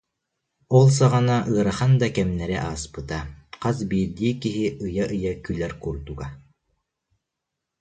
Ол саҕана ыарахан да кэмнэри ааспыта, хас биирдии киһи ыйа-ыйа күлэр курдуга